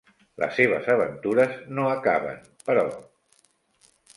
Les seves aventures no acaben, però.